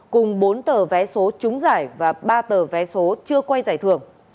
cùng bốn tờ vé số trúng giải và ba tờ vé số chưa quay giải thưởng